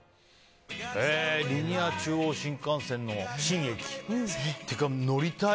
リニア中央新幹線の新駅。というか、乗りたい！